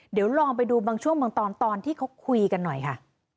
เดี๋ยวลองไปดูบางช่วงบางตอนตอนที่เขาคุยกันหน่อยค่ะ